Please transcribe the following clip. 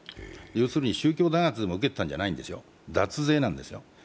要するに宗教弾圧を受けていたんじゃないですよ、脱税なんです。